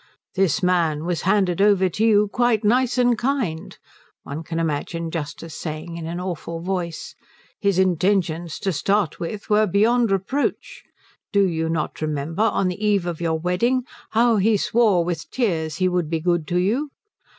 "This man was handed over to you quite nice and kind," one can imagine Justice saying in an awful voice; "his intentions to start with were beyond reproach. Do you not remember, on the eve of your wedding, how he swore with tears he would be good to you?